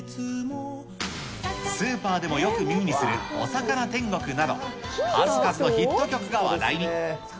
スーパーでもよく耳にする、おさかな天国など、数々のヒット曲が話題に。